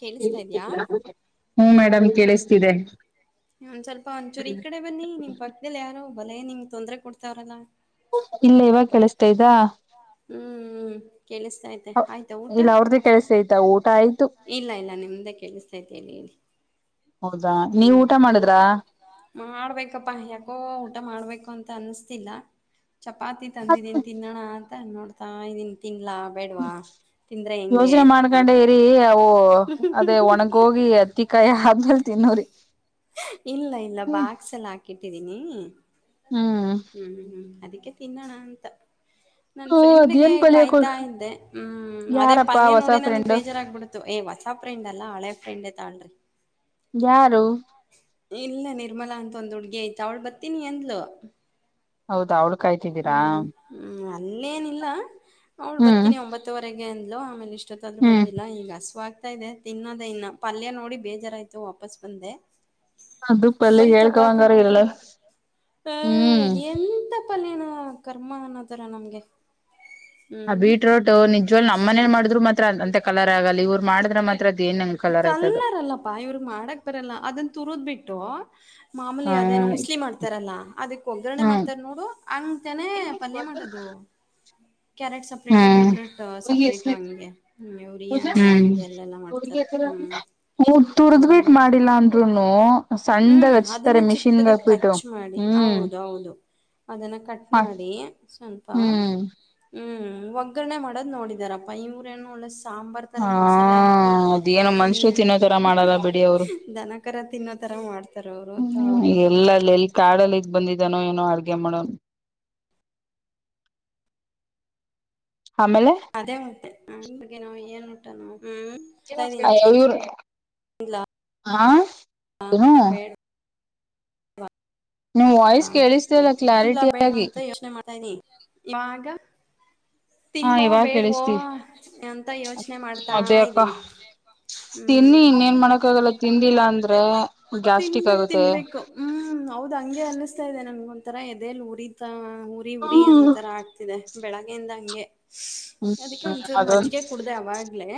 ಕೇಳಿಸ್ತಾ ಇದ್ಯಾ ಮೇಡಮ್ ಕೆಳಸ್ತಿದೆ. ಒಂದ್ ಸ್ವಲ್ಪ ಒಂದಚೂರು ಈ ಕಡೆ ಬನ್ನಿ ನಿಮ್ ಪಕ್ಕದಲ್ಲಿ ಯಾರೋ ಭಲೆ ನಿಮ್ಗೆ ತೊಂದ್ರೆ ಕೊಡ್ತಾವ್ರಲ್ಲಾ. ಇಲ್ಲ ಇವಾಗ ಕೇಳಿಸ್ತಾ ಇದ. ಹ್ಮ ಕೇಳಿಸ್ತೈತೆ ಆಯ್ತಾ ಊಟ. ಇಲ್ಲ ಅವ್ರ್ದೇ ಕೇಳಿಸ್ತೈತಾ ಊಟ ಆಯ್ತು. ಇಲ್ಲ ಇಲ್ಲ ನಿಮ್ದೆ ಕೇಳಿಸ್ತೈತೆ ಹೇಳಿ. ಹೌದಾ ನೀವ್ ಹ್ಮ್ ಊಟ ಮಾಡುದ್ರಾ? ಮಾಡ್ಬೇಕಪ್ಪಾ ಯಾಕೋ ಊಟ ಮಾಡ್ಬೇಕು ಅಂತ. ಅನ್ಸಾತಿಲ್ಲ ಚಪಾತಿ ತಂದಿದೀನ್ ತಿನ್ನೋಣ ಅಂತ ನೋಡ್ತಾ ಇದೀನಿ ತಿನ್ಲಾ ಇಲ್ಲಾ ಬೇಡ್ವಾ. ಯೋಚನೆ ಮಾಡ್ಕೊಂಡೆ ಇರಿ ಅವು ಅದೇ ಒಣಗೋಗಿ ಅತ್ತಿಕಾಯಿ ಆದ್ಮೇಲೆ ತಿನ್ನೂರಿ. ಇಲ್ಲ ಇಲ್ಲ ಬಾಕ್ಸ್ ಅಲ್ ಹಾಕಿಟ್ಟಿದೀನಿ. ಹ್ಮ್ ಹ್ಮ್ ಹ್ಮ್ ಅದಕ್ಕೆ ತಿನ್ನೋಣ ಅಂತ. ನನ್ ಹು ಫ್ರೆಂಡ್ಗೆ ಅದೇನ್ ಪಲ್ಯ ಕೊ ಕಾಯ್ತಾ ಇದ್ದೆ ಹ್ಮ್ ಅದೇ ಯಾರಪ್ಪಾ ಪಲ್ಯ ಹೊಸ ನೋಡಿ ನನಗ್ ಫ್ರೆಂಡು ಬೇಜಾರಾಬಿಡ್ತು. ಏ ಹೊಸ ಫ್ರೆಂಡ್ ಅಲ್ಲ ಹಳೆ ಫ್ರೆಂಡ್ ತೊಗೋರಿ ಯಾರು. ಇಲ್ಲ ನಿರ್ಮಲಾ ಅಂತ ಒಂದ್ ಹುಡ್ಗಿ ಐತೆ ಅವಳು ಬರ್ತೀನಿ ಅದ್ಲು ಹೌದಾ ಅವ್ಳ್ ಕಾಯ್ತಿದ್ದೀರಾ? ಹ್ಮ್ ಹ್ಮ್ ಅಲ್ಲೇನಿಲ್ಲ ಅವಳು ಹ್ಮ್ ಬರ್ತೀನಿ ಒಂಬತ್ತವರೆಗೆ ಅಂದ್ಲು. ಅಂದ್ಲು ಮತ್ ಇಷ್ಟೊತ್ತಾದರು ಹ್ಮ್ ಬಂದಿಲ್ಲ ಈಗ ಹಸಿವಾ ತ ಇದೆ ತಿನ್ನೋದ ಇನ್ನ ಪಲ್ಯ ನೋಡಿ ಬೇಜಾರಯ್ತು ವಾಪಸ್ ಬಂದೆ. ದುಪ್ಪ ಅಲ್ಲಿ ಬರೀ ಹೇಳ್ಕೊಕೊಂಡ ಚಪಾತಿ ಬಂದವರಿಗೆ ಮಾತ್ರ ಇಲ್ಲಾ ಹ್ಮ್. ಏನೋ ಕರ್ಮ ಅನ್ನೋತರ ನಮ್ಗೆ. ಹ ಹ್ಮ್ ಬೀಟ್ರೋಟ್ ನಿಜ್ವಲ್ ನಮ್ಮ್ನೇನ್ ಮಾಡಿದ್ರು ಮಾತ್ರ ಅಂತೆ ಕಲರ್ ಆಗಲಿ ಇವ್ರು ಮಾಡಿದ್ರೆ ಮಾ ಕಲ್ಲರಲ್ಲಪ್ಪಾ ಇವ್ರಗ್ ಮಾಡಕ್ ಬರಲ್ಲ ಅದನ್ ತುರದ್ ಬಿಟ್ಟು ಮಾಮೂಲಿ ಹ್ಮ್ ಅದೇನೋ ಊ ಬಸ್ಲಿ ಮಾಡ್ತಾರಲ್ಲಾ ಅದಕ್ ಒಗ್ಗರಣೆ ಹ್ಮ್ ಮಾಡ್ತಾರ ನೋಡು ಹಂಗ ತನೆ ಪಲ್ಯ ಮಾಡದು. [inaudible] ಕ್ಯಾರೆಟ್ ಸಪ್ರೇಟು ಹ್ಮ್ ಬೀಟ್ರೂಟ್ ಸಪ್ರೇಟು ಹಂಗೆ ಉರಿಯನಲ್ಲ ಹಿಂಗೆ ಎಲ್ಲ ಮಾಡ್ತಾರ ಹ ತುರ್ದ್ಬಿಟ್ ಮತ್ತೆ ಮಾಡಿಲ್ಲಾ ಅಂದ್ರುನು. ಸಣ್ಣದಾಗ್ ಹ್ಮ್ ಅದನ್ನ ಹಚ್ತಾರೆ ಮಿಷಿನ್ಗ್ ಚಿಕ್ಕದಾಗಿ ಹಾಕ್ಬಿಟ್ಟು ಕಚ್ ಮಾಡಿ ಹ್ಮ್ ಹೌದು ಹೌದು. ಅದನ್ನ ಕಟ್ ಮಾಡಿ ಸ್ವಲ್ಪ. ಹ್ಮ್ ಹ್ಮ್ ಒಗ್ಗರಣೆ ಮಾಡೋದು ನೋಡಿದಾರಪ್ಪ ಇವರೇನು ಒಳೆ ಸಾ ಸಾಂಬಾರು ಥರ ಹಾ ಮಸಾಲೆ ಹಾಕಿ ಅದೇನೋ ಮನುಷ್ರು ತಿನ್ನೋ ತರ ದನಕರ ತಿನ್ನೋದ ಹ್ಮ ಇಲ್ಲಾ ಎಲ್ಲಲ್ಲಿ ಎಲ್ಲಿ ಕಾಡಲ್ಲಿ ಇದ್ ಬಂದಿದ್ದಾನೋ ಏನೋ ಅಡ್ಗೆ ಮಾಡೋನು. ಆಮೇಲೆ ಅದೇ ಮತ್ತೆ ನಗೆ ನಾವು ಏನ್ ಊಟನೋ. ಅಯ್ಯೋ ಇವರು ಹಾ ತಿನ್ ಹ್ಮ್. ಬೇಡವಾ ವಾಯ್ಸ್ ಹಾ ಕೇಳಿಸ್ತಿಲ್ಲ ತಿನ್ಲಾ ಕ್ಲಾರಿಟಿ ಬೇಡ್ವಾ ಆಗಿ ಅಂತ ಯೋಚನೆ ಮಾಡ್ತಾನಿ ಇವಾಗ. ಹಾ ತಿನ್ಲೊ ಇವಾಗ ಬೇಡ್ವೋ ಕೇಳಿಸ್ತೀವಿ ಎಂತ ಯೋಚನೆ ಮಾಡ್ತಾ ಅದೇ ಅಕ್ಕ ಇದ್ದೀನಿ. ತಿನ್ನಿ ಹ್ಮ್ ಇನ್ನ ಏನ್ ಮಾಡಕ್ಕ ಆಗಲ್ಲ ತಿಂದಿಲ್ಲ ಅಂದ್ರೆ. ಗ್ಯಾಸ್ಟ್ರಿಕ್ ತಿನ್ಬೇಕು ಆಗುತ್ತೆ ತಿನ್ಬೇಕು ಹ್ಮ್ ಹೌದ್ ಹಂಗೆ ಅನ್ನಿಸ್ತಾ ಇದೆ ನನ್ಗ ಒಂಥರ ಎದೆಲ್ ಉರಿತ. ಉರಿ ಉರಿ ಅನ್ನೋ ಹ್ಮ್ ತರ ಆಗ್ತಿದೆ ಬೆಳಗ್ಗೆಯಿಂದ ಹಂಗೆ. ಅದಕ್ಕೆ ಹ್ಮ್ ಒಂಚೂರು ಅದೊಂದು ಮಜ್ಜಿಗೆ ಕುಡ್ದೆ ಅವಾಗ್ಲೇ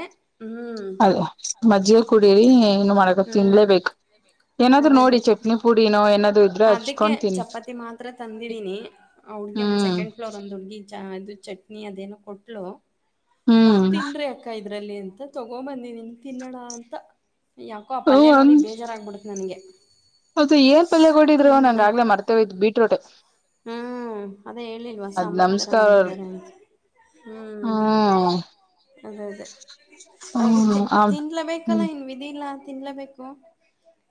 ಹ್ಮ್ ಅದು ಮಜ್ಜಿಗೆ ಕುಡಿ. ಏನು ಮಾಡಕಲ್ಲ ತಿನ್ಲೇಬೇಕ. [inaudible] ಅದ ಅದೇ ಏನಾದ್ರು ಇದ್ರೆ ಅದಕ್ಕೆ ಹಚ್ಕೊಂಡ್ ತಿನ್ನಿ ಚಪಾತಿ ಮಾತ್ರ ತಂದಿದೀನಿ ಅವಳ. ಒಂದ ಹ್ಮ್ ಸೆಂಡಫ್ಲೋರ್ ಒಂದ ಹುಡುಗಿ. ಚ ಇದು ಚಟ್ನಿ ಅದೇನೋ ಕೊಟ್ಲು ಹ್ಮ್ ತಿನ್ರೀ ಅಕ್ಕ ಇದ ಅ್ರಲ್ಲಿ ಅಂತ ತಗೋ ಬಂದ ತಿನ್ನೋ ಅಂತ ಯಾಕೋ ಆ ಪಲ್ಯ ನೋಡಿ ಬೇಜಾರಾಗಬಿಡತ್ತ. [unintelligible] ಹೌದು ಏನ್ ಪಲ್ಯ ಕೊಡಿದ್ರು ನಂಗ ತಿನ್ನ ಆಗ್ಲೇ ಮರ್ತೇ ಹೋಯ್ತು ಬೀಟರೂಟ್. ಹ್ಮ್ ಅದೇ ಹೇಳಿಲ್ವಾ ಸಾಂಬಾರ್ ತರಾ ನಮಸ್ಕಾರ ಮಾಡಿದಿದ್ದಾರೆ ಅಂತ. ಹ್ಮ್ ಅದೇ ಅದೇ. ಅದಕ್ಕೆ ಹ್ಮ್ ತಿನ್ಲಬೇಕಲ್ಲ ಹ್ಮ್ ಇನ್ ವಿಧಿ ಇಲ್ಲ ತಿನ್ಲಬೇಕು.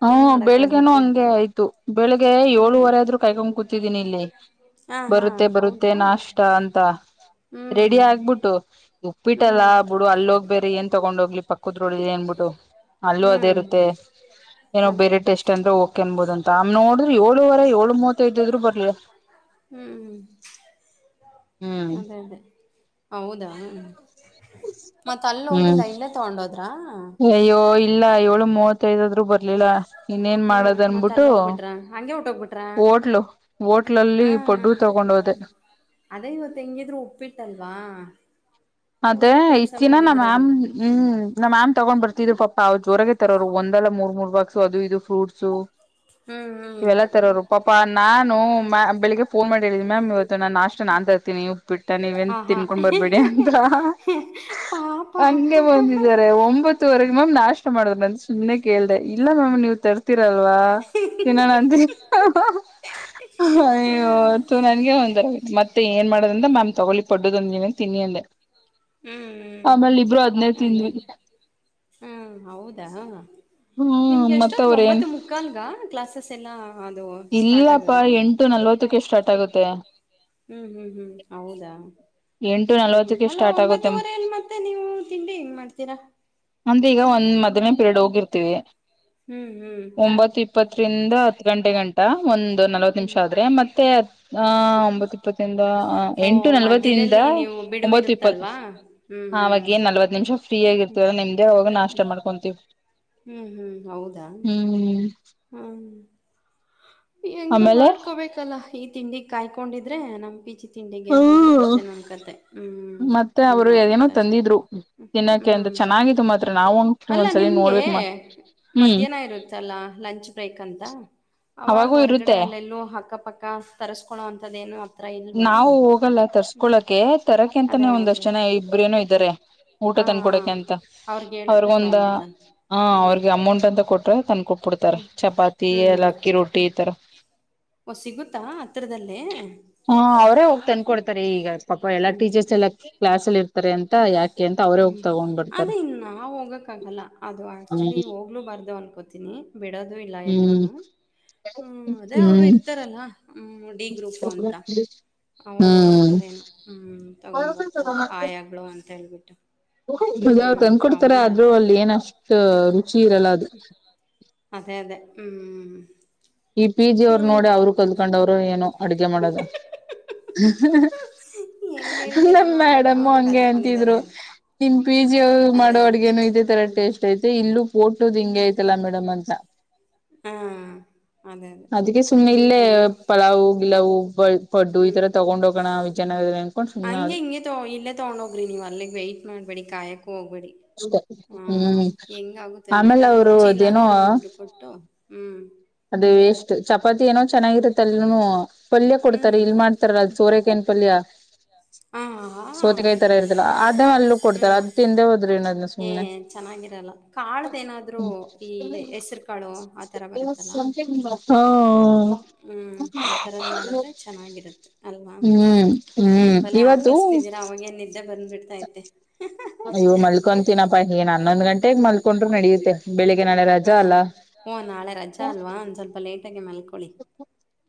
ಹ್ಮ ಬೆಳಿಗ್ಗೆನು ಹಂಗೆ ಆಯ್ತು ಬೆಳಿಗ್ಗೆ ಹ್ಮ್ ಏಳುವರೆ ಆದ್ರೂ ಕಾಯ್ಕೊಂಡ್ ಕೂತಿದ್ದೀನಿ ಇಲ್ಲಿ. ಹಾ ಹಾ ಬರುತ್ತೆ ಬರುತ್ತೆ ಹೌದಾ ನಾಷ್ಟ ಅಂತ ಹ್ಮ್ ರೆಡಿ ಆಗ್ಬಿಟ್ಟು. ಬಿಟ್ಟಲ್ಲ ಹ್ಮ್ ಬಿಡು ಅಲ್ಲಿ ಹೋಗ್ ಬೇರೆ ಏನ್ ತಗೊಂಡೋಗ ಕುದ್ರೋ ಏನ್ಬಿಟ್ಟು ಅಲ್ಲೂ ಅದೇ ಹ್ಮ್ ಇರುತ್ತೆ ಏನೋ ಅದೇ ಬೇರೆ ಟೇಸ್ಟ್ ಅಂದ್ರೆ ಓಕೆ. [unintelligible] ಏಳುವರೆ ಏಳು ಮೂವತ್ತ ಐದಾದ್ರು ಬರ್ಲ ಹ್ಮ್ ಅದೇ ಅದೇ ಹೌದಾ. ಮತ್ತ ಅಲ್ಲ ಹೋಗಿಲ್ಲ ಹ್ಮ್ ಇಲ್ಲೇ ತಗೊಂಡೋದ್ರ. ಅಯ್ಯೋ ಇಲ್ಲ ಏಳು ಮೂವತ್ತೈದಾದ್ರು ಬರ್ಲಿಲ್ಲ. ಇನ್ನೇನ್ ಹ್ಮ್ ಮಾಡೋದ್ ಮತ್ತ ಅನ್ಬಿಟ್ಟು ಅಲ್ಲಿ ಹೋಗ್ಬಿಟ್ರ ಹಂಗೆ ಹೊಟ್ಟೋಗ್ಬಿಟ್ರ ಹೋಟ್ಲು ಹೋಟ್ಲಲ್ಲಿ ಹಾ ಪೊಡ್ಡು ಹಾ ತಗೊಂಡ ಗೊಂಡ ಹೋದೆ. ಅದೇ ಇವತ್ತು ಹೆಂಗಿದ್ರು ಉಪ್ಪಿಟ್ಟಲ್ವಾ. ಅದೇ ಒಳ್ಳೆ ಕೆಲ್ಸ ಇತ್ತಿನ ನಮ್ಮ್ ಮಾಡಿದೀರ ಮಾಮ್ ಬಿಡ್ರಿ ಹ್ಮ್ ನಮ್ ಮಾಮ್ ತಗೊಂಡ. ಬರ್ತಿದ್ರು ಪಾ ಅವ್ರು ಜೋರಾಗ ತರೋರು ಒಂದಲ್ಲ ಮೂರ್ ಮೂರ್ ಬಾಗಕ್ಸು ಅದು ಇದು ಫ್ರೂಟ್ಸು. ಹ್ಮ್ ಹ್ಮ್ ಇವೆಲ್ಲಾ ತರೋರು ಪಾಪಾ ನಾನು ಮ ಬೆಳಿಗ್ಗೆ ಫೋನ್ ಮಾಡಿ ಹೇಳಿದಿ ಮ್ಯಾಮ್ ಇವತ್ ತ್ತ ನಾಸ್ಟಾ ನಾನ್ ತರ್ತೀನಿ ಉಪ್ಪಿಟ್ಟ ನೀವ ಏನ ಆಹಾ ತಿನ್ಕೊಂಡ್ ಬರ್ಬೇಡಿ ಅಂತ ಹಹ. ಪಾಪ ಹಂಗೆ ಹ್ಮ್ ಬಂದಿದ್ದಾರೆ ಒಂಬತ್ತವರೆಗೆ ಮ್ಯಾಮ್ ನಾಸ್ಟಾ ಮಾಡುದ್ರ ಅಂತ ಸುಮ್ಮನೆ ಕೇಳ್ದೆ ಇಲ್ಲಾ ಮ್ಯಾಮ್ ನೀವು್ ತರ್ತೀ ಲ್ವಾ ತಿನ್ನೋಣ ಅಂದ ಹಹ. ಹ ಅಯ್ಯೋ ಹ್ಮ್ ಥೋ ನನ್ಗೆ ಒಂದ ತರಾ ಆಯ್ತು. ಮತ್ತ ಏನ್ ಮಾಡೋದ್ರ ಮಾಮ್ ತಗೊಳ್ಳಿ ಪಡ್ಡದೊಂದ ನೀನನ್ ತಿನ್ನಿ ಅಂದೆ. ಆಮೇಲೆ ಇಬ್ರು ಹದ್ನೇ ತಿಂದ್ವಿ. ಹಾ ಹೌದಾ ನಿಮ್ಗೆ ಹ್ಮ್ ಮತ್ತ ಎಷ್ಟೊತ್ ಅವ್ರ ಏನ್ ಗೊಂಬತ್ತು ಮುಕ್ಕಾಲ್ಗ. ಕ್ಲಾಸಸ್ ಎಲ್ಲಾ ಇಲ್ಲಪ್ಪಾ ಎಂಟು ನಲ್ವತ್ತಕ್ಕೆ ಸ್ಟಾರ್ಟ್ ಆಗುತ್ತೆ. ಹ್ಮ್ ಹ್ಮ್ ಹ್ಮ್ ಹೌದಾ ಎಂಟು ನಲ್ವತ್ತಕ್ಕೆ ಇನ್ನಲ್ಲ ಸ್ಟಾರ್ಟ್ ಆಗುತ್ತೆ ಒಂಬತ್ತುವರೆಲ್ ಮತ್ತೆ ನೀವು ತಿಂಡಿ ನ್ ಮಾಡ್ತೀರಾ. ಅಂದ್ರೆ ಈಗ ಒಂದ್ ಮದನನೆ ಪೀರಿಯಡ್ ಹೋಗಿರ್ತೀವಿ ಹ್ಮ್ ಹ್ಮ್ ರಿಂದ ಹತ್ತು ಗಂಟೆ ಗಂಟಾ ಒಂದು ನಲವತ್ತು ನಿಮಿಷ ಹ್ಮ್ ಆದ್ರೆ ಮತ್ತೆ ಒಂಬತ್ತು ಇಪ್ಪತ್ತ. ಓ ಎಂಟು ನಲ್ವತ್. [inaudible] ಮಧ್ಯದಲ್ಲಿ ನೀವು ಒತ್ತು ಇಪ್ಪತ್ತುಾಗ ಬಿಡುವಿರುತ್ತಲ್ವಾ ಹ್ಮ್ ಹ್ಮ್ ನಲ್ವ ನಿಮಿಷ ಫ್ರೀ ಆಗಿರ್ತವಲ್ಲ ನಿಮ್ದೆ ಅವ ನಾ. ಇಷ್ಟ ಮಾಡ್ಕೊಂತೀವಿ. ಹ್ಮ್ ಹ್ಮ್ ಹೌದಾ. ಹ್ಮ್ ಹ್ಮ ಹೆಂಗ ಆಮೇಲೆ ಮಾಡ್ಕೊಬೇಕಲ್ಲ ಈ ತಿಂಡಿ ಕಾಯ್ಕೊಂಡಿದ. ಆದ್ರೆ ನಮ್ ಪಿಜಿ. ತಿಂಡಿಗೆ ಮುಗೀತಷ್ಟೇ ನಮ್ ಕತೆ ಹ್ಮ್ ಮತ್ತೆ ಹಂಗ ಅವರು ಏನೋ ಆಗತ್ತ ಅಷ್ಟೇ ತಂದಿದ್ರು ತಿನ್ನಕ್ಕೆ ಅಂತ ಹ್ಮ್. ಚೆನ್ನಾಗಿತ್ತು ಮಾತ್ರ [inaudible] ನಾವಂತು ಅಲ್ಲ ಒಂದ್ಸಲಿ ನಿಮ್ಗೆ ನೋಡ್ಬೇಕ ಹ್ಮ್ ಮಧ್ಯಾಹ್ನ ಇರುತ್ತಲ್ಲ ಲಂಚ್ ಬ್ರೇಕ್ ಅಂತ. ಅ ಅವಾಗ ಅವಾಗೂ ಹೊರ್ಗಡೆ ಇರುತ್ತೆ ಅಲ್ಲೆಲ್ಲೂ ಅಕ್ಕ ಪಕ್ಕ ತರಿಸಸ್ಕೊ ಅಂತದ ಏನು. ನಾವು ಹೋಗಲ್ಲ ತರ್ಸ್ಕೊಳಕ್ಕೆ ಅದೇ ತರಕಂತಾನೇ ಒಂದಷ್ಟ್ ಅವರು ಜನ ಇಬ್ರೇನೋ ಇದ್ದಾರೆ. ಊಟ ಹಾಂ ಹಾಂ ತನ್ಕೊಡಕ ಅಂತ ಅವ್ರಿಗೆ ಹೇಳಿದ್ರೆ ಅವ್ರಗೊಂದ ತೊಂಬರ್ತಾರೆ ಹ ಹ್ಮ್ ಅವ್ರಗೆ ಅಮೌಂಟ್ ಅಂತ ಕೊಟ್ರೆ ತಂದಕೊ ಕೊಡ್ತಾರ ಹ್ಮ್ ಚಪಾತಿ ಎ ಹ್ಮ್ ಲಕ್ಕಿ ರೊಟ್ಟಿ ಈ ತರ. ಓ ಸಿಗುತ್ತಾ ಹತ್ರದಲ್ಲೇ. ಹಾ ಅವರೇ ಹೋಗ್ ತಂದ್ಕ ಕೊಡ್ತಾರೆ ಈಗ ಪಾಪ ಎಲ್ಲಾ ಹ್ಮ್ ಟೀಚರ್ಸ್ ಎಲ್ಲಾ ಕ್ಲಾಸ್ ಅಲ್ಲಿ ಇರ್ತಾರೆ ಅಂತ ಯಾಕ. ಹ್ಮ್ ಅದೇ ಇನ್ ನಾವ ಹೋಗಕ್ಕ ಆಗಲ್ಲ ಅದು ಹ್ಮ್ ಆಕ್ಚುಲಿ ಹೋಗ್ಲುೂ ಬರ್ದ ಅನ್ಕ. ಕೋತೀನಿ ಬಿಡೋದು ಇಲ್ಲ ಹ್ಮ್ ಎಲ್ಲನು ಹ್ಮ್ ಅದೇ ಅವರು ಹ್ಮ್ ಇರ್ತಾರಲ್ಲ. ಡಿ ಗ್ರೂಪು ಅಂತ ಅವರು ಹ್ಮ್ ಹೋಗ್ತಾರೇನು ಹ್ಞ. ತಗೊಬರ್ತಾರೆ ಆಯಾಗಳು ಅಂತೇಳ್ಬಿಟ್ಟು. ಜಾವ ತಂದಕೊಡ್ತಾರ ಆದ್ರೂ ಅಲ್ಲಿ ಏನಷ್ಟ ರುಚಿ ಇರಲ್ಲ ಅದು. ಅದೇ ಅದೇ ಹ್ಮ್. ಈ ಪಿ ಜಿ ಅವರು ನೋಡ ಹ್ಮ್ ಅವರು ಕಲ್ಕೊಂಡ ಅವರು ಏನು ಅಡಗೆ ಮಾಡದ. ಹೆಂಗ್ ಹೇಳ್ತೀರಾ ನಮ್ ನೋಡ್ರಿ ಮೇಡಮು ಅವರು ಹಂಗೆ ಅಂತಿದ್ರು ಕಲ್ತ್ಕೊಂಡಿದ್ದಾರೆ ಅಂತ ನಿಮ. ಪೀಜಿ ಅದೇ ಮಾಡೋ ಅದೇ ಅಡಗೆೇನು ಇದೇ ತರ ಟೇಸ್ಟ್. ಐತೆ ಇಲ್ಲ ಪೋಟೋದ್ ಹಿಂಗೆ ಐತಲ್ಲ ಮೇಡಮ್ ಅಂತ. ಹುಂಮ್ ಅದಕ್ಕೆ ಸುಮ್ಮ್ನೆ ಇಲ್ಲೇ ಪಲಾವ್ ಹ್ಮ್ ಗಿಲಾವು ಬ- ಪಡ್ಡು ಈ ತರ ಹ್ಮ್ ತಗೊಂಡ್ ಹೋಗೋಣ. ವಿಜಯನಗರ ಅನ್ಕೊಂಡ್ ಸುಮ್ನೆ ಹಂಗೆ ಆದೆ ಹಿಂಗೆ ತ ಇಲ್ಲೇ ತಗೊಂಡ ಹೋಗ್ರಿ ನೀವ್ ಅಲ್ಲಿಗೆ ವೈಟ್ ಮಾಡ್ಬೇಡಿ ಕಾಯಕ ಹೋಗ್ಬೇಡಿ ಅಷ್ಟೆ ಹ್ ಹ್ಮ್ -ಹೆಂಗ ಆಗುತ್ತೆ ನೋಡ್ರಿ ಆಮೇಲೆ ಅಲ್ಲಿ ಅವರು ರುಚಿ ಇಲ್ಲ ಅದೇನೋ ಅಂದ್ರೆ ದುಡ್ಡು ಕೊಟ್ಟು. ಹ್ಮ್- ಲ್ಲನು ಪಲ್ಯ ಕೊಡ್ತಾರ ಹ್ಮ್ ಇಲ್ಲ ಮಾಡ್ತಾರ ಅದು ಸೋರೆಕಾಯಿ ಪಲ್ಯ. ಹಾ ಹಾ ಸೌತೆಕಾಯಿ ತರ ಇರ್ತಲ್ಲ ಆದೇ ಅಲ್ಲೂ ಕೊಡ್ತಾರ ಹ್ಮ್ ಅದು ತಿಂದೆ ಹೋದ್ರೆ ಅದನ್ನ ಸುಮ್ಮ್ನೆ. ಅಳತ್ತಹೇನ್ರಾದ್ರು ಈ ಹೆಸರು ಕಾಳು ಆತರ ಬರುತ್ತೆ. [unintelligible] ಹು-ಹು-ಹು. ಹ್ಮ್ಂ ಆತರದ್ ಮಾಡದ್ರೆ ಚೆನ್ನಾಗಿರುತ್ತೆ ಅಲ್ವಾ. ಹ್ಮ್ ಏನ್ ಹ್ಮ್ ಬಲೆ ಇವತ್ತು ಆಕಳಿಸತಿದ್ದೀರಾ ಅವಾಗೇ ನಿದ್ದೆ ಬಂದ್ ಬಿಡ್ತೈತೆ. ಐವು ಮಲ್ಕೊತೀನಪ್ಪಾ ಏನ್ ಹನ್ನೂಂದು ಗಂಟೆಗೆ ಮಲ್ಕೊಂಡ್ರು ನಡಿಯುತ್ತೆ. ಓ ಹುಂ ನಾಳೆ ರಜೆ ಅಲ್ವಾ ಒಂದ್ ಸ್ವಲ್ಪ ಲೇಟಾಗಿ ಮಲ್ಕೊಳ್ಳಿ.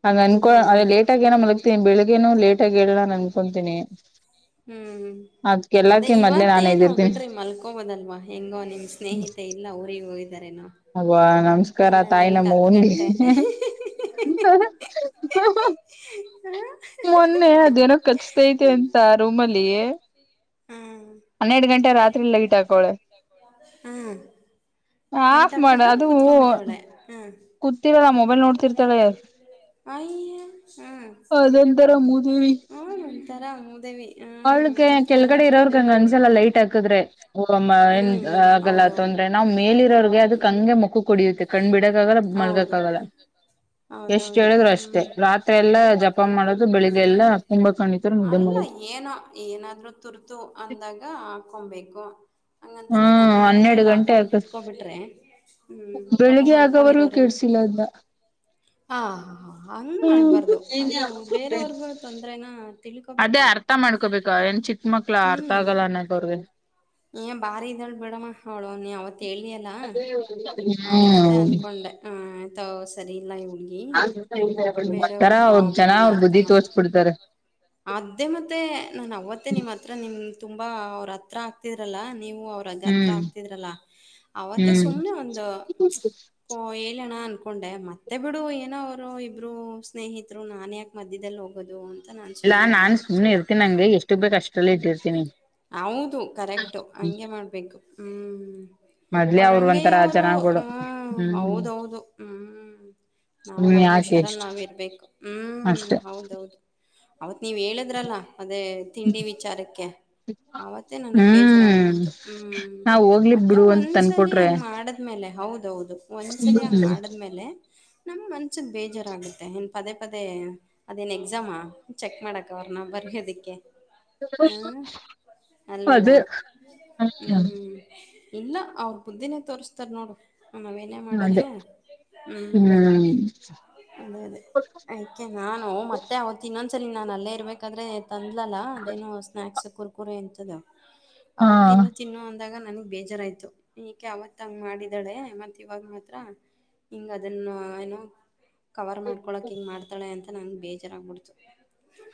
ಹಂಗ ಅನ್ಕೊ ಅದೇ ಹ್ಮ್ ಲೇಟ್ಗೇಏನ ಮಲಗ್ತೀನಿ ಬೆಳಿಗ್ಗೆನನು ಲೇಟ ಆಗ ಹೇಳ ಅನ್ಕೊತೀನಿ. ಹ್ಮ್, ಅದೇ ಇವ್ತ ಮೊದ್ಲೆ ನಾನ್ ಮತ್ತೇಏನು ಎದಿರ್ತೀನಿ ಬಿಡ್ರಿ ಮಲ್ಕೋಬೋದಲ್ವಾ ಹೆಂಗೋ ನಿಮ್ಮ ಸ್ನೇಹಿತ ಇಲ್ಲ ಊ್ರರಿಗೆ ಹೋಗಿ ಅವ್ವ ನಮಸ್ಕಾರ ತಾಯಿ ಲೈಟ್ ಹತ್ತು ನಮ್ಮವ್ವಂಗೆ ಗಂಟೆ ಹ್ ಹ್ ಇಹ್ ಮೊನ್ನೆ ಅದೇನೋ ಖಚ್ತೈತೆ ಅಂತ ರೂಮಲ್ಲಿ ಹಾ ಹನ್ನೆರಡು ಗಂಟೆ ರಾತ್ರಿ ಲೈಟ್ ಹಾಕ್ವಳೆ ಹಾ ಲೈಟ್ ಹಾಕ್ಬಿಟ್ಟು ಕೂತ್ಕೊಂಡು ಬಿಟ್ಟವಳೇ ಕೂತಿರಲ್ಲ ಮೊಬೈಲ್ ನೋಡ್ತಿರ್ತಾಳೆ ಅಯ್ಯ ಅದೊಂತರ ಮೂದೇವಿ ಹ್ಮ ಹ್ಮ ಒಂತರ ಮೂದವಿ ಹಾ ವಿಚಿತ್ರ ಅನ್ನತ. ಹ್ಮ್ ಅಂಗಂಸಲ್ಲ ಲೈಟ್ ಹಾಕಿದ್ರೆ ಹ್ಮ್ ಒಂ-ಮ-ಆಗಲ್ಲ ಹೌದೌದು ತೊಂದ್ರೆ ನಾವ್ ಮೇಲಿರೋರ್ಗೆ ಕನ್ಫರ್ಮ್. ಹಂಗೆ ಮುಖ ಹೊಡೆಯುತ್ತೆ ಕಣ್ ಬಿಡಕ್ಕಾಗಲ್ಲ ಹೌದು ಮಲಗೋಕಾಗಲ್ಲ ಎಷ್ಟು ಹೌದೌದು ಹೇಳಿದರು ಅಷ್ಟೇ ಹ್ಮ್ ಎಲ್ಲ ಜಪ ಮಾಡೋದು ಬೆಳಿಗ್ಗೆ ಹ್ಮ್ ಎಲ್ಲಾ ಕುಂಬಾ ಕರಣತರು ನಿದ್ದೆ ಅಲ್ಲ ಮಾಡುದು ಏನೋ ಏನಾದ್ರೂ ತುರ್ತು ಅಂದಾಗ ಹಾಕೊಂಬೇಕು ಹಂಗಂತ ಹಾ ನೀನ್ ಹನ್ನೆರಡು ಗಂಟೆಲಿ ಗಂಟೆ ಹಾಕೊಂಡು ಆಗ ಕುೂತ್ಕೊಬಿಟ್ರೆ- ಹ್ಮ್- ಪಾಪ ಬೆಳಿಗ್ಗೆ ಆಗೋವರೆಗೂ ಮಲ್ಕೊಂಡಿರೋರೇನು [unintelligible] ಹ ಹಂಗ್ ಮಾಡ್ಬಾರ್ದು ಅದು ಬೇರೆಯವ್ರಿಗೂ ತೊಂದ್ರನ ತಿಳ್ಕೋಬೇಕ ಅದೇ ಅವರು ಅರ್ಥ ಮಾಡ್ಕೋಬೇಕ ಏನ್ ಚಿಕ್ಕ ಮಕ್ಳ ಅರ್ಥ ಹ್ಮ್ ಆಗಲ್ಲ [unintelligible] ಏ ಬಾರಿ ಇದಾಳ್ ಬಿಡಮ್ಮ ಅವಳವ ನೀ ಅವತ್ ಹೇಳಿಯಲ್ಲಾ ಹ್ ಹು ತ ಸರಿ ಇಲ್ಲಾ ತರ ಅವದ ಜನ ಪ್ರಾಬ್ಲಮ್ನ ಅವ್ರ ಅರ್ಥ ಬುದ್ಧಿ ಮಾಡ ತೋಸ್ಬಿಡ್ತಾರೇ ಅದೇ ಮತ್ತೆ ನನ್ ಅವತ್ತೇ ನಿಮ್ಮ್ ಹತ್ರ ನಿಮ ತುಂಬಾ ಅವ್ರ ಹತ್ರ ಆಗ್ತಿದ್ರಲ್ಲ ನೀವು ಅವ್ರ ಹತ್ರ ಹ್ಮ್ ಆಗ್ತಿದ್ರಲ್ಲ ಅವತ್ತೆ ಹ್ಮ್ ಸುಮ್ಮನೆ ಒ [unintelligible] ಇಣ ಅನ್ಕೊಂಡೆ ಮತ್ತೆ ಬಿಡು ಏನೋ ಅವರು ಇಬ್ರು ಸ್ನೇಹಿತರು ನಾನ ಯಾಕೆ ಮಧ್ಯದಲ್ಲಿ ಹೋಗೋದು ನಾನು ಇಲ್ಲಾ ಸುಮ್ಮನಾದೆ ನಾನ್ ಅವತ್ತು ಸುಮ್ನೆ ಇರ್ತೀನಿಂಗೆ ಎಷ್ಟು ಬೇಕ್ ಅಷ್ಟರಲ್ಲ ಇಟ್ಟಿರ್ತೀನಿ ಹೌದು ಕರೆಕ್ಟ್ ಹಂಗೆ ಮಾಡ್ಬೇಕು ಹ್ಮ್ ಮೊದ್ಲೆೇ ಅವ್ರ ಅವರು ಹಂಗೆ ಒಂಥರ ಜನಗಳು ಹ್ಮ್ ಹ್ಮ್ ಹೌದೌದು ಹ್ಮ್ ನಾವು ಸುಮ್ನೆ ನಮ್ಮ ಯಾಕೆ ಹುಷಾರಲ್ಲಿ ಇಷ್ಟು ನಾವ ಇರ್ಬೇಕು ಹ್ಮ್ ಅಷ್ಟೆ ಹೌದೌದು ಅವತ್ ನೀವ್ ಹೇಳಿದ್ರಲ್ಲ ಅದೇ ತಿಂಡಿ ವಿಚಾರಕ್ಕೆ ಅವತ್ತೇ ನನಗ್ ಹ್ಮ್ ಬೇಜಾರಾಗಬಿಡ್ತು ಹ್ಮ್ ನಾವ್ ಹೋಗ್ಲಿ ಮತ್ತೆ ಬಿಡು ಅಂತ ಒಂದ್ಸಲಿ ತಂದಕೊಟ್ರೆ ಹಂಗ್ ಮಾಡದಮೇಲೆ ಹೌದ ಹೌದು ಒಂದ್ಸಲ ಆ ಮಾಡಿದ್ಮೇಲೆ ನಮ್ ಮನ್ಸ ಬೇಜಾರಾಗುತ್ತೆ ನ್ ಪದೇ ಪದೇ ಅದೇನ್ ಎಕ್ಸಾಮಾ ಚೆಕ್ ಮಾಡಕ ಅವ್ರನ ಬರೆಯೋದಿಕ್ಕೆ ಹ್ಮ ಅಲ್ವಲ ಅದೇ ಹ್ಮ್ ಇಲ್ಲ ಅವರು ಬುದ್ಧಿನೇ ತೋರಿಸಸ್ತಾರ ನೋಡು ನಾವೇನೇ ಅದೇ ಮಾಡಿದ್ರು ಹ್ಮ್ ಅದೇ ಅದೇ ಅಯ್ಕೆ ನಾನು ಮತ್ತೆ ಅವತ್ತ ಇನ್ನೊಂದು ಸರಿ ನಾನು ಅಲ್ಲೇ ಇರ್ಬೇಕಾದ್ರೆ ತಂದಲಲ್ಲ ಅದೇನು ಸ್ನಾಯಾಕ್ಸ್ ಕುರ್ಕುರು ಎಂತದ ಹಾ ಅವಾಗ ತಿನ್ನು ತಿನ್ನು ಅಂದಾಗ ನನ್ಗ್ ಬೇಜಾರಾಯ್ತು ಈಏಕೆ ಅವಾತು ಹಂಗ್ ಮಾಡಿದ್ದಾಳೆ ಮತ್ತೆ ಇವಾಗ ಮಾತ್ರ ಹಿಂಗ ಅದನ್ನು ಏನೋ ಕವರ್ ಮಾಡ್ಕೊಳಕ್ ಹಿಂಗ ಮಾಡ್ತಳ ಅಂತ ನಂಗೆ ಬೇಜಾರಾಗ್ಬಿಡ್ತು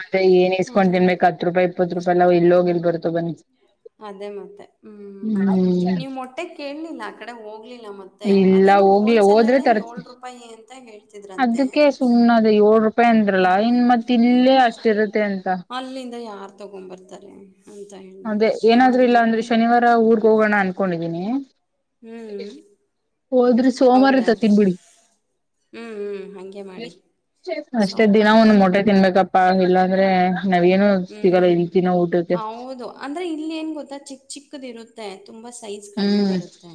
ಮತ್ತೆ ಏನ್ ಇಸ್ಕೊಂಡ್ ಹ್ಞೂ ತಿನ್ಬೇಕಕ್ ಹತ್ ರೂಪಾಯಿ ಇಪ್ಪತ್ತು ರೂಪಾಯಿ ಎಲ್ಲ ಹೊಗಿಲ್ ಬರ್ತೋ ಬನ್ನಿ ಅದೇ ಮತ್ತೆ ಹ್ಮ್ ಹ್ಮ್ ನೀವ್ ಮೊಟ್ಟೆ ಕೇಳಲಿಲ್ಲ ಆ ಕಡೆ ಹೋಗ್ಲಿಲ್ಲ ಮತ್ತೆ ಅದೇನು ಹೋಲ್ಸೆಲ್ಲಿ ಅದಕ್ಕೆೇ ಸುಮ್ಮ ಅದು ಏಳ ರೂಪಾಯಿ ಅಂದ್ರಲ್ಲ ಇನ್ ಮತ್ ಹ್ಮ್ ಇಲ್ಲೇ ಅಷ್ಟಿರುತ್ತೆ ಅಂತ ಅಲ್ಲಿಂದ ಯಾರ್ ತಗೊಂಡ್ ಬರ್ತಾರೆ ಅಂತ ಅದೇ ಹೇಳ್ಬಿಟ್ಟು. ಏನಾದ್ರೂ ಇಲ್ಲ ಹ್ಮ್. ಅಂದ್ರೆ ಶನಿವಾರ ಊರ್ಗ್ ಹೋಗೋಣ ಅನ್ಕೊಂಡಿದೀನಿ ಹ್ಮ್. ಹೋದ್ರಿ ಸೋಮಾರ ಹೌದಾ? ತರ್ತೀನಿ ಬಿಡು ಹ್ಮ್, ಹ್ಮ್. ಹಂಗೆ ಮಾಡಿ. ಅಷ್ಟೇ ಸೋಮವಾರ ದಿನ ಒಂದ ಮೊಟೆ ತಗೋಬನ್ನಿ. ತಿನ್ಬೇಕಪ್ಪಾ ಇಲ್ಲಾ ಅಂದ್ರೆ ಹ್ಮ್ ಹೌದು ಅಂದ್ರೆ ಇಲ್ಲಿ ಏನ್ ಗೊತ್ತಾ ಚಿಕ್ಕ ಚಿಕ್ಕದ್ ಇರುತ್ತೆ. ತುಂಬ ಸೈಜ್ ಕಡಿಮೆ ಹ್ಮ್ ಬರುತ್ತೆ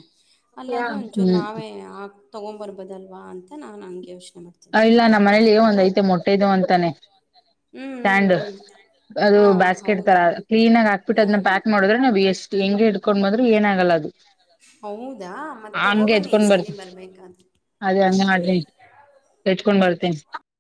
ಅಲ್ಲಾದ್ರೂ ಒಂಚೂರು ಹ್ಮ್ ನಾವೇ ಹಾಕಿ ತೊಗೊಂದ ಬಾರ್ಬೋದಲ್ಲ ಅಂತ. ನಾನು ಹಂಗೆ ಯೋಚನೆ ಮಾಡ್ತೀನಿ. ಇಲ್ಲ ನಮ್ಮ ಮನೇಲಿ ಒಂದು ಅಂದ್ರೆ ಐತೆ ಮೊಟ್ಟೆದು ಅಂತಾನೆ- ಹ್ಮ್ ಹ್ಮ್ ಸ್ಟ್ಯಾಂಡ್ ಹ್ಮ್ ಅದು ಹಾ ಬ್ಯಾಸ್ಕೆಟ್ ಹೌದಾ ತರ ಕ್ಲೀನ್ ಆಗಿ ಹಾಕ್ಬಿಟ್ಟು ಅದನ್ನ ಹ್ಮ್ ಪ್ಯಾಕ್ ಮಾಡುದ್ರೆ ನಾವು ಎಷ್ಟು - ಹಿಂಗೆ ಹಿಡ್ಕೊಂಡ್ ಬಂದ್ರು ಏನ ಆಗಲ್ಲ ಅದು. ಹೌದಾ ಮತ್ತ ಹಂಗೆ ತಗೋಬನ್ನಿ ಈ ಎತ್ಕೊಂಡ್ ಬರ್ತ ಸಲಿ ಬರ್ಬೇಕಾದ್ರೆ. ಇಟ್ಕೊಂಡ್ ಬರ್ತೇನೆ